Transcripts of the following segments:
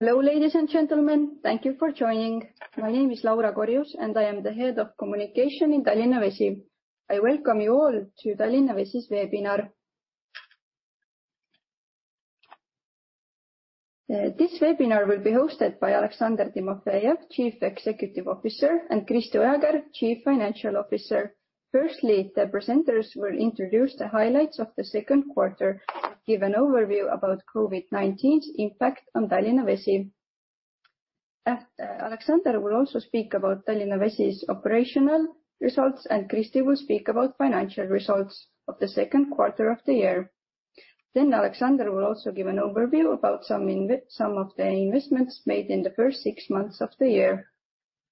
Hello, ladies and gentlemen. Thank you for joining. My name is Laura Korjus and I am the Head of Communication in Tallinna Vesi. I welcome you all to Tallinna Vesi's webinar. This webinar will be hosted by Aleksandr Timofejev, Chief Executive Officer, and Kristi Ojakäär, Chief Financial Officer. Firstly, the presenters will introduce the highlights of the second quarter, give an overview about COVID-19's impact on Tallinna Vesi. Aleksandr will also speak about Tallinna Vesi's operational results, and Kristi will speak about financial results of the second quarter of the year. Aleksandr will also give an overview about some of the investments made in the first six months of the year.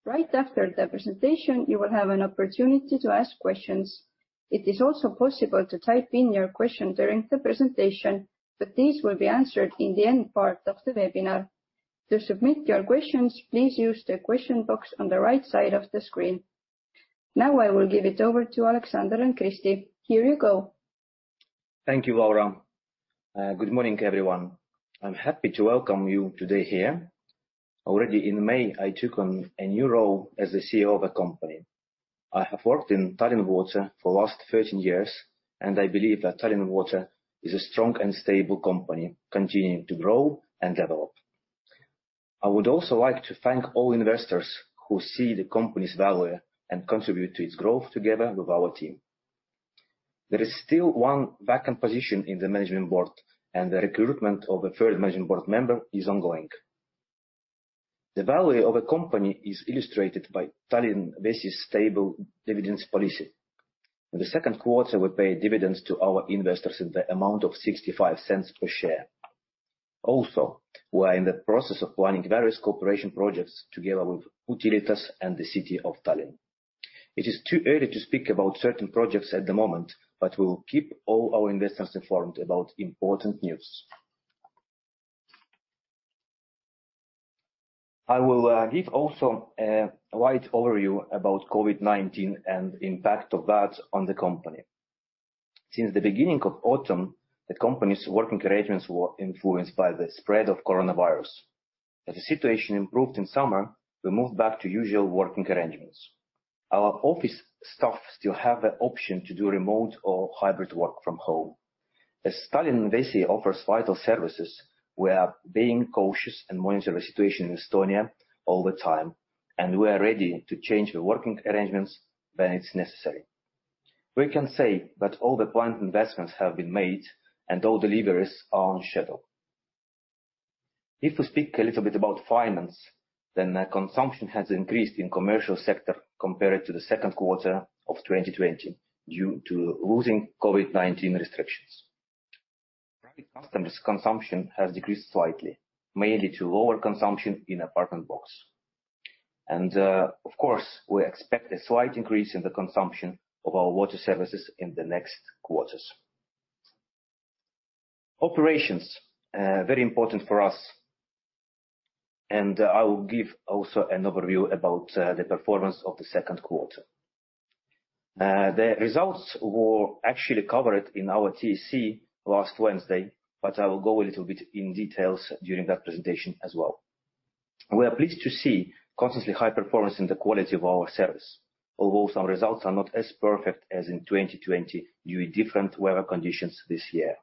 Right after the presentation, you will have an opportunity to ask questions. It is also possible to type in your question during the presentation, but these will be answered in the end part of the webinar. To submit your questions, please use the question box on the right side of the screen. Now I will give it over to Aleksandr and Kristi. Here you go. Thank you, Laura. Good morning, everyone. I'm happy to welcome you today here. Already in May, I took on a new role as the CEO of the company. I have worked in Tallinna Vesi for the last 13 years, and I believe that Tallinna Vesi is a strong and stable company, continuing to grow and develop. I would also like to thank all investors who see the company's value and contribute to its growth together with our team. There is still one vacant position in the management board, and the recruitment of a third management board member is ongoing. The value of a company is illustrated by Tallinna Vesi's stable dividends policy. In the second quarter, we paid dividends to our investors in the amount of 0.65 per share. Also, we are in the process of planning various cooperation projects together with Utilitas and the City of Tallinn. It is too early to speak about certain projects at the moment, but we will keep all our investors informed about important news. I will give also a light overview about COVID-19 and impact of that on the company. Since the beginning of autumn, the company's working arrangements were influenced by the spread of coronavirus. As the situation improved in summer, we moved back to usual working arrangements. Our office staff still have the option to do remote or hybrid work from home. As Tallinna Vesi offers vital services, we are being cautious and monitor the situation in Estonia all the time, and we are ready to change the working arrangements when it's necessary. We can say that all the planned investments have been made and all deliveries are on schedule. If we speak a little bit about finance, then the consumption has increased in commercial sector compared to the second quarter of 2020 due to losing COVID-19 restrictions. Private customers consumption has decreased slightly, mainly to lower consumption in apartment blocks. Of course, we expect a slight increase in the consumption of our water services in the next quarters. Operations, very important for us, and I will give also an overview about the performance of the second quarter. The results were actually covered in our TSC last Wednesday, but I will go a little bit in details during that presentation as well. We are pleased to see consistently high performance in the quality of our service, although some results are not as perfect as in 2020 due different weather conditions this year.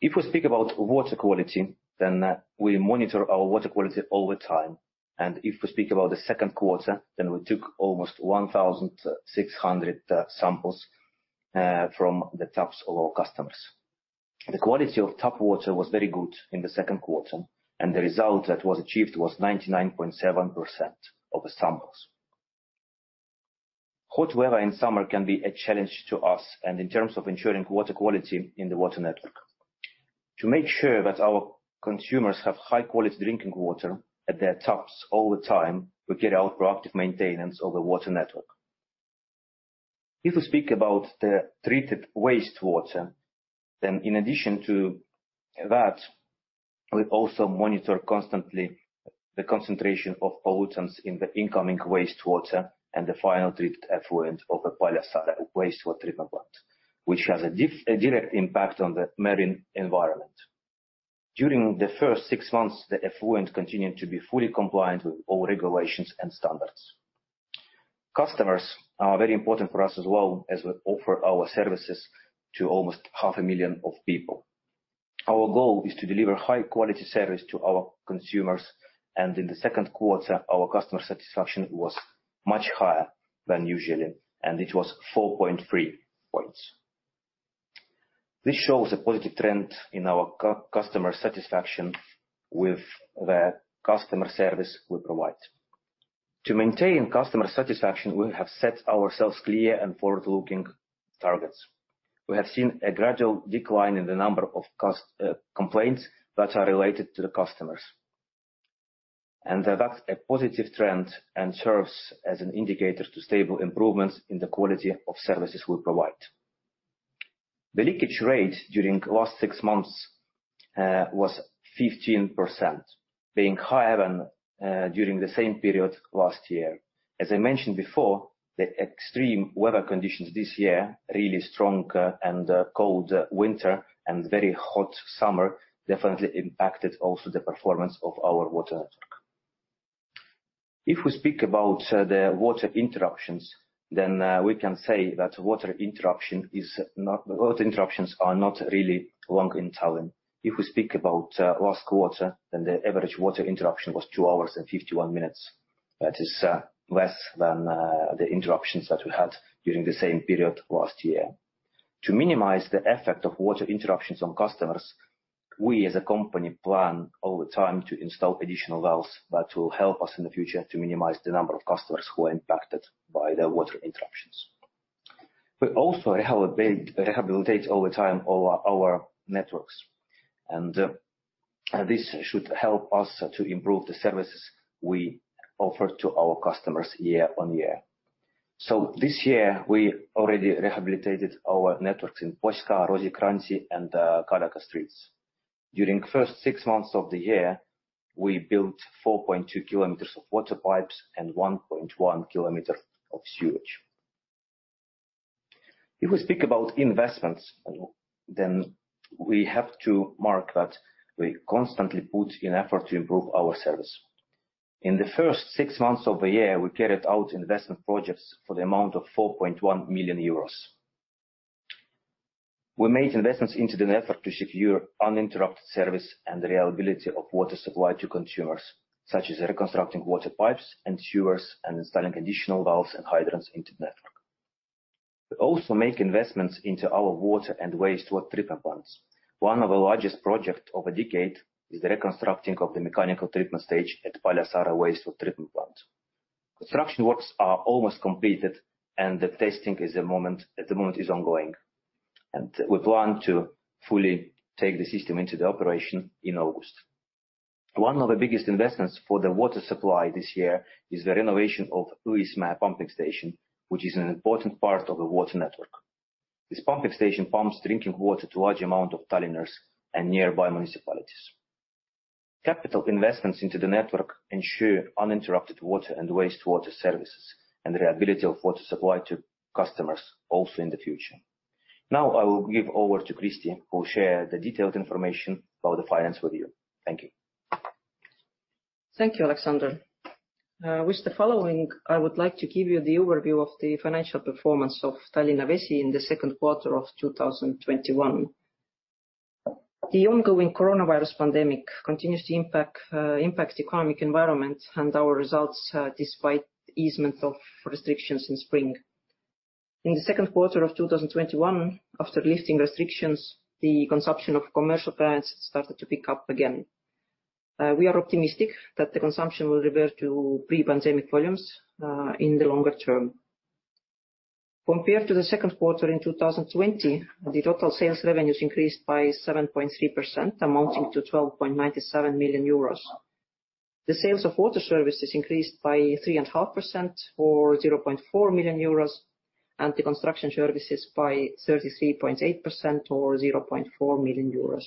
If we speak about water quality, then we monitor our water quality all the time. If we speak about the second quarter, then we took almost 1,600 samples from the taps of our customers. The quality of tap water was very good in the second quarter, and the result that was achieved was 99.7% of the samples. Hot weather in summer can be a challenge to us and in terms of ensuring water quality in the water network. To make sure that our consumers have high-quality drinking water at their taps all the time, we carry out proactive maintenance of the water network. If we speak about the treated wastewater, then in addition to that, we also monitor constantly the concentration of pollutants in the incoming wastewater and the final treated effluent of the Paljassaare Wastewater Treatment Plant, which has a direct impact on the marine environment. During the first six months, the effluent continued to be fully compliant with all regulations and standards. Customers are very important for us as well as we offer our services to almost 500,000 of people. Our goal is to deliver high quality service to our consumers. In the second quarter, our customer satisfaction was much higher than usually, and it was 4.3 points. This shows a positive trend in our customer satisfaction with the customer service we provide. To maintain customer satisfaction, we have set ourselves clear and forward-looking targets. We have seen a gradual decline in the number of complaints that are related to the customers. That's a positive trend and serves as an indicator to stable improvements in the quality of services we provide. The leakage rate during last six months was 15%. Being higher than during the same period last year. As I mentioned before, the extreme weather conditions this year, really strong and cold winter and very hot summer, definitely impacted also the performance of our water network. If we speak about the water interruptions, then we can say that water interruptions are not really long in Tallinn. If we speak about last quarter, then the average water interruption was two hours and 51 minutes. That is less than the interruptions that we had during the same period last year. To minimize the effect of water interruptions on customers, we as a company plan all the time to install additional valves that will help us in the future to minimize the number of customers who are impacted by the water interruptions. We also rehabilitate all the time our networks. This should help us to improve the services we offer to our customers year-on-year. This year, we already rehabilitated our networks in Poška, Roosikrantsi, and Kadaka streets. During first six months of the year, we built 4.2 km of water pipes and 1.1 km of sewage. If we speak about investments, we have to mark that we constantly put in effort to improve our service. In the first six months of the year, we carried out investment projects for the amount of 4.1 million euros. We made investments into an effort to secure uninterrupted service and reliability of water supply to consumers, such as reconstructing water pipes and sewers, and installing additional valves and hydrants into the network. We also make investments into our water and wastewater treatment plants. One of the largest project of a decade is the reconstructing of the mechanical treatment stage at Paljassaare Wastewater Treatment Plant. Construction works are almost completed, and the testing at the moment is ongoing, and we plan to fully take the system into the operation in August. One of the biggest investments for the water supply this year is the renovation of Ülemiste Pumping Station, which is an important part of the water network. This pumping station pumps drinking water to large amount of Tallinners and nearby municipalities. Capital investments into the network ensure uninterrupted water and wastewater services and the reliability of water supply to customers also in the future. Now I will give over to Kristi, who will share the detailed information about the finance with you. Thank you. Thank you, Aleksandr. With the following, I would like to give you the overview of the financial performance of Tallinna Vesi in the second quarter of 2021. The ongoing coronavirus pandemic continues to impact economic environment and our results, despite easement of restrictions in spring. In the second quarter of 2021, after lifting restrictions, the consumption of commercial clients started to pick up again. We are optimistic that the consumption will revert to pre-pandemic volumes, in the longer term. Compared to the second quarter in 2020, the total sales revenues increased by 7.3%, amounting to 12.97 million euros. The sales of water services increased by 3.5% or 0.4 million euros, and the construction services by 33.8% or 0.4 million euros.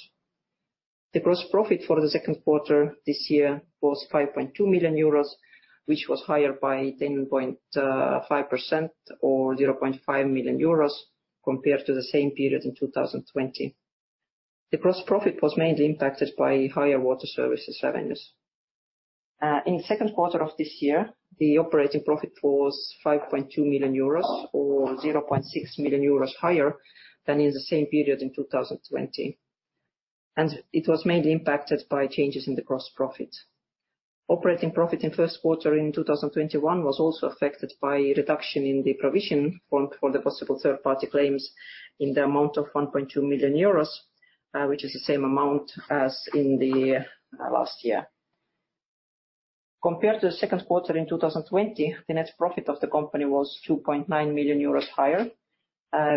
The gross profit for the second quarter this year was 5.2 million euros, which was higher by 10.5% or 0.5 million euros compared to the same period in 2020. The gross profit was mainly impacted by higher water services revenues. In the second quarter of this year, the operating profit was 5.2 million euros or 0.6 million euros higher than in the same period in 2020. It was mainly impacted by changes in the gross profit. Operating profit in first quarter in 2021 was also affected by a reduction in the provision fund for the possible third-party claims in the amount of 1.2 million euros, which is the same amount as in the last year. Compared to the second quarter in 2020, the net profit of the company was 2.9 million euros higher,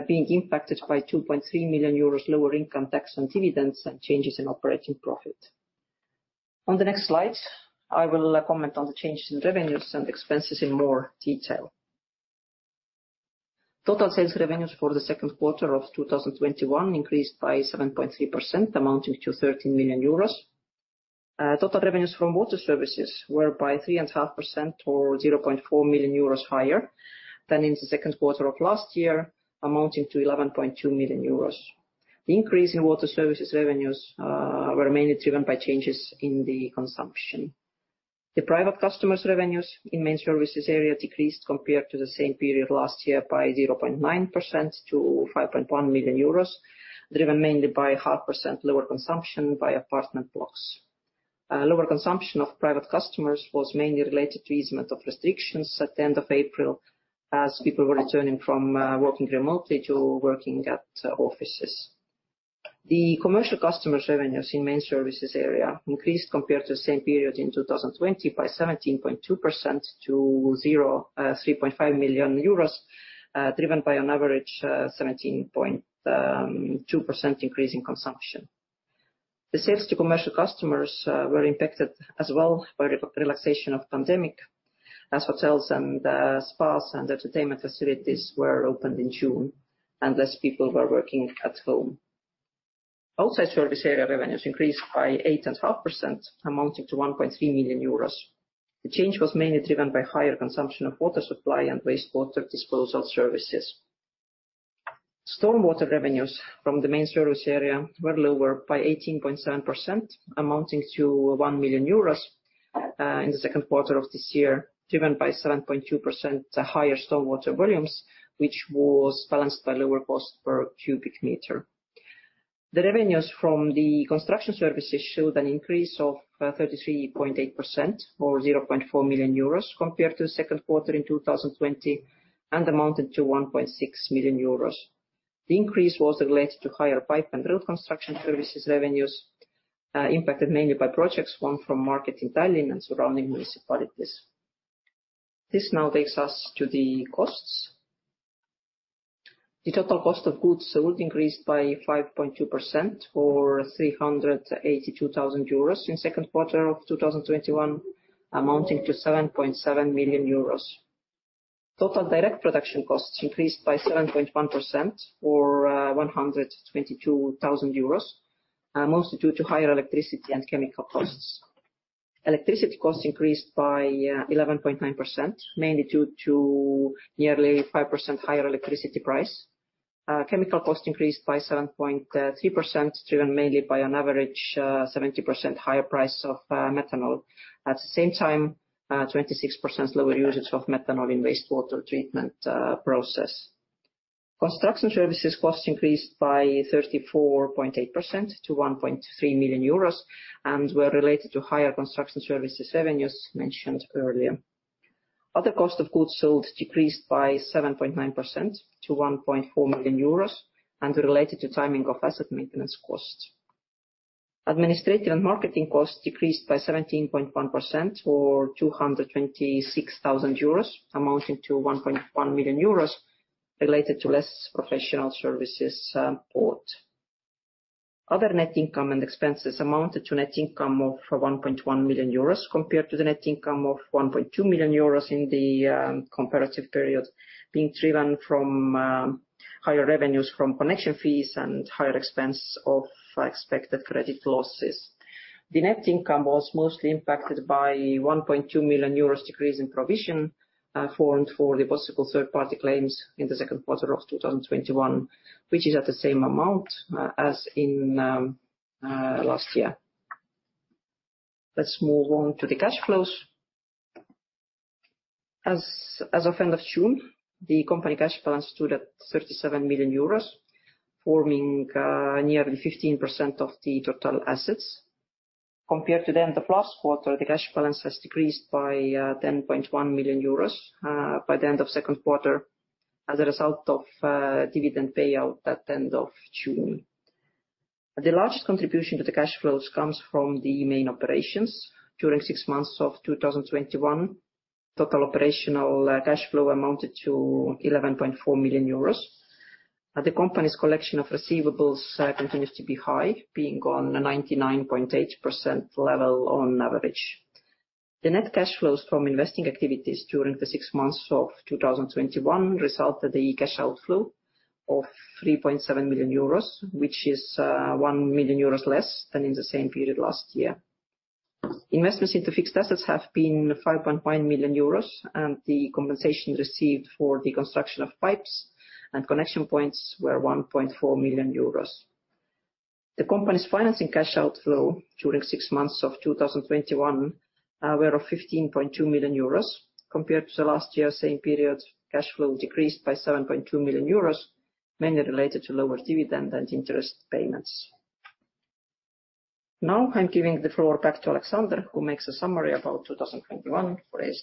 being impacted by 2.3 million euros lower income tax and dividends and changes in operating profit. On the next slide, I will comment on the changes in revenues and expenses in more detail. Total sales revenues for the second quarter of 2021 increased by 7.3%, amounting to 13 million euros. Total revenues from water services were by 3.5% or 0.4 million euros higher than in the second quarter of last year, amounting to 11.2 million euros. The increase in water services revenues were mainly driven by changes in the consumption. The private customers' revenues in main services area decreased compared to the same period last year by 0.9% to 5.1 million euros, driven mainly by 0.5% lower consumption by apartment blocks. Lower consumption of private customers was mainly related to easement of restrictions at the end of April, as people were returning from working remotely to working at offices. The commercial customers' revenues in main services area increased compared to the same period in 2020 by 17.2% to 3.5 million euros, driven by an average 17.2% increase in consumption. The sales to commercial customers were impacted as well by the relaxation of pandemic as hotels and spas and entertainment facilities were opened in June, and less people were working at home. Outside service area revenues increased by 8.5%, amounting to 1.3 million euros. The change was mainly driven by higher consumption of water supply and wastewater disposal services. Storm water revenues from the main service area were lower by 18.7%, amounting to 1 million euros in the second quarter of this year, driven by 7.2% higher storm water volumes, which was balanced by lower cost per cubic meter. The revenues from the construction services showed an increase of 33.8%, or 0.4 million euros compared to the second quarter in 2020, and amounted to 1.6 million euros. The increase was related to higher pipe and road construction services revenues, impacted mainly by projects won from market in Tallinn and surrounding municipalities. This now takes us to the costs. The total cost of goods sold increased by 5.2%, or 382,000 euros in second quarter of 2021, amounting to 7.7 million euros. Total direct production costs increased by 7.1%, or 122,000 euros, mostly due to higher electricity and chemical costs. Electricity costs increased by 11.9%, mainly due to nearly 5% higher electricity price. Chemical cost increased by 7.3%, driven mainly by an average 70% higher price of methanol. At the same time, 26% lower usage of methanol in wastewater treatment process. construction services costs increased by 34.8% to 1.3 million euros and were related to higher construction services revenues mentioned earlier. Other cost of goods sold decreased by 7.9% to 1.4 million euros and related to timing of asset maintenance costs. Administrative and marketing costs decreased by 17.1%, or 226,000 euros, amounting to 1.1 million euros, related to less professional services bought. Other net income and expenses amounted to net income of 1.1 million euros compared to the net income of 1.2 million euros in the comparative period, being driven from higher revenues from connection fees and higher expense of expected credit losses. The net income was mostly impacted by 1.2 million euros decrease in provision formed for the possible third-party claims in the second quarter of 2021, which is at the same amount as in last year. Let's move on to the cash flows. As of end of June, the company cash balance stood at 37 million euros, forming nearly 15% of the total assets. Compared to the end of last quarter, the cash balance has decreased by 10.1 million euros by the end of second quarter as a result of dividend payout at end of June. The largest contribution to the cash flows comes from the main operations during six months of 2021. Total operational cash flow amounted to 11.4 million euros. The company's collection of receivables continues to be high, being on a 99.8% level on average. The net cash flows from investing activities during the six months of 2021 resulted the cash outflow of 3.7 million euros, which is 1 million euros less than in the same period last year. Investments into fixed assets have been 5.1 million euros, and the compensation received for the construction of pipes and connection points were 1.4 million euros. The company's financing cash outflow during six months of 2021 were of 15.2 million euros. Compared to last year's same period, cash flow decreased by 7.2 million euros, mainly related to lower dividend and interest payments. Now I'm giving the floor back to Aleksandr, who makes a summary about 2021 for AS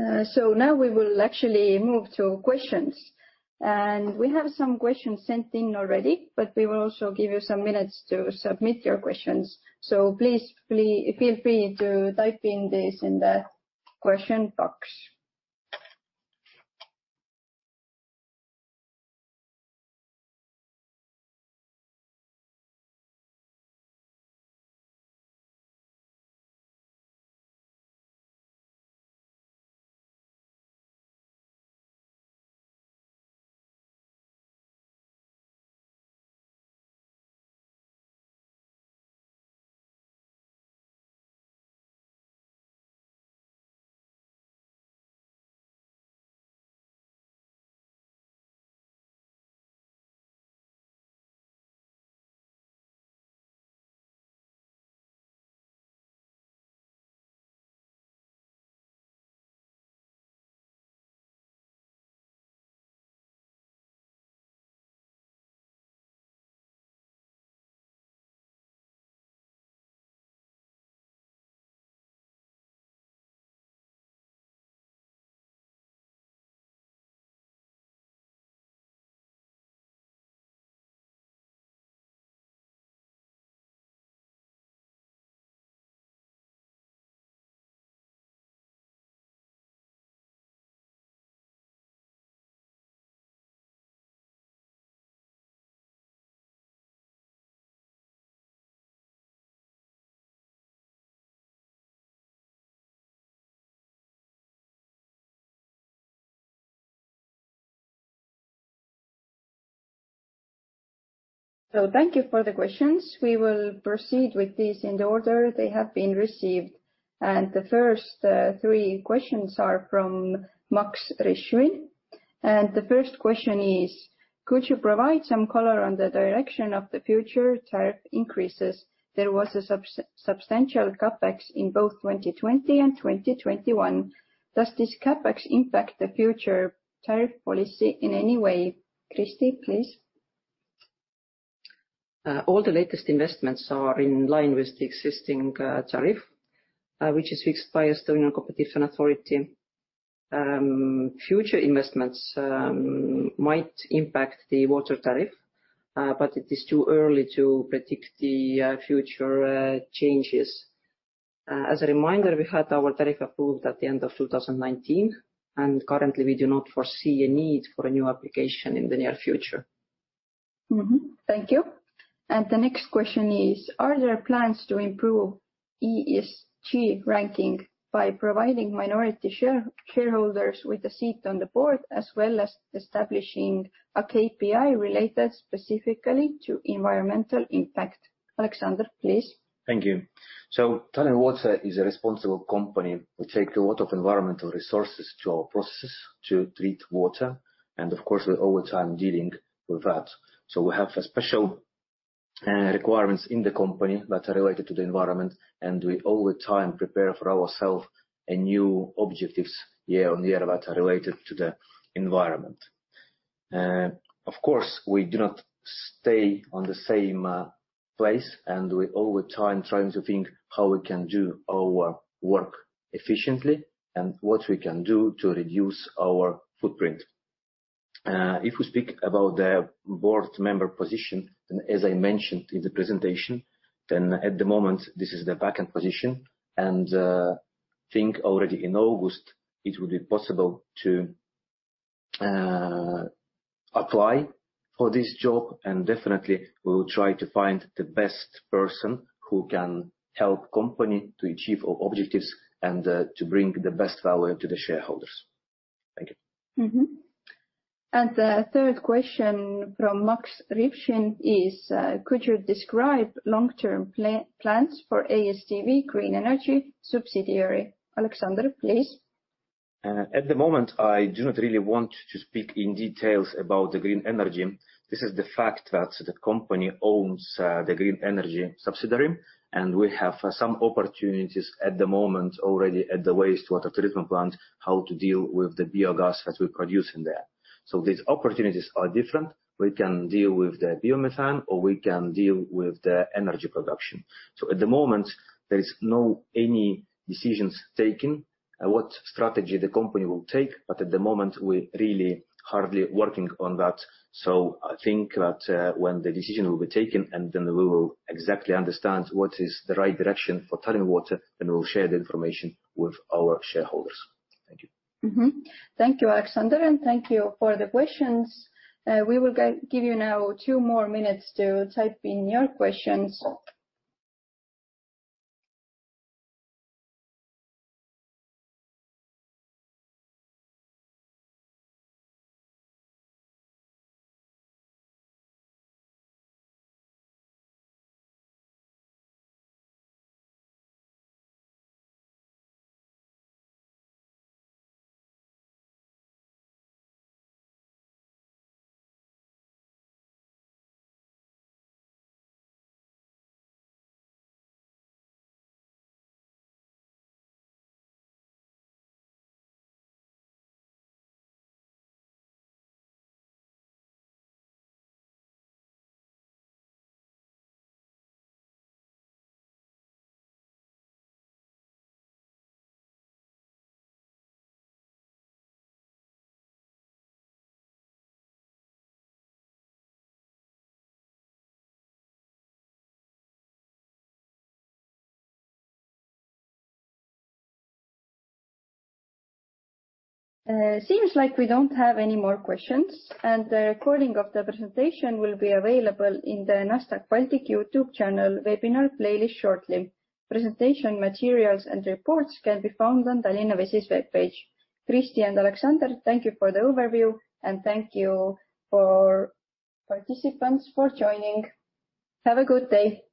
Tallinna Vesi. Now we will actually move to questions. We have some questions sent in already, but we will also give you some minutes to submit your questions. Please feel free to type in this in the question box. Thank you for the questions. We will proceed with these in the order they have been received. The first three questions are from Max Rishin. The first question is: Could you provide some color on the direction of the future tariff increases? There was a substantial CapEx in both 2020 and 2021. Does this CapEx impact the future tariff policy in any way? Kristi, please. All the latest investments are in line with the existing tariff, which is fixed by Estonian Competition Authority. Future investments might impact the water tariff, but it is too early to predict the future changes. As a reminder, we had our tariff approved at the end of 2019, and currently, we do not foresee a need for a new application in the near future. Mm-hmm. Thank you. The next question is: Are there plans to improve ESG ranking by providing minority shareholders with a seat on the board, as well as establishing a KPI related specifically to environmental impact? Aleksandr, please. Thank you. Tallinna Vesi is a responsible company. We take a lot of environmental resources to our processes to treat water and, of course, we're all the time dealing with that. We have special requirements in the company that are related to the environment, and we all the time prepare for ourself new objectives year-on-year that are related to the environment. Of course, we do not stay on the same place, and we're all the time trying to think how we can do our work efficiently and what we can do to reduce our footprint. If we speak about the board member position, as I mentioned in the presentation, then at the moment, this is the vacant position, and I think already in August it will be possible to apply for this job. Definitely we will try to find the best person who can help company to achieve our objectives and to bring the best value to the shareholders. Thank you. The third question from Max Rishin is: Could you describe long-term plans for ASTV Green Energy subsidiary? Aleksandr, please. At the moment, I do not really want to speak in details about the green energy. This is the fact that the company owns the green energy subsidiary, and we have some opportunities at the moment already at the wastewater treatment plant, how to deal with the biogas that we produce in there. These opportunities are different. We can deal with the biomethane, or we can deal with the energy production. At the moment, there is not any decisions taken what strategy the company will take. But at the moment, we're really hardly working on that. I think that when the decision will be taken, and then we will exactly understand what is the right direction for Tallinna Vesi, then we'll share the information with our shareholders. Thank you. Thank you, Aleksandr, and thank you for the questions. We will give you now two more minutes to type in your questions. Seems like we don't have any more questions, and the recording of the presentation will be available in the Nasdaq Baltic YouTube channel webinar playlist shortly. Presentation materials and reports can be found on Tallinna Vesi's webpage. Kristi and Aleksandr, thank you for the overview, and thank you for participants for joining. Have a good day.